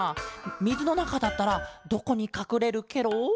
みずのなかだったらどこにかくれるケロ？